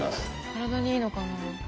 体にいいのかな？